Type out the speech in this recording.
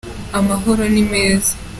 amahoro nimeza.